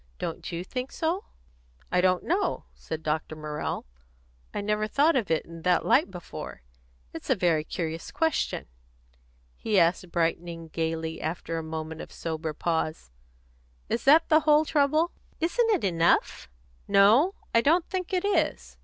Don't you think so?" "I don't know," said Dr. Morrell. "I never thought of it in that light before. It's a very curious question." He asked, brightening gaily after a moment of sober pause, "Is that the whole trouble?" "Isn't it enough?" "No; I don't think it is.